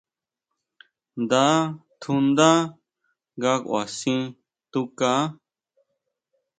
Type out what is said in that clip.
Nda tjundá nga kʼuasin tukaá.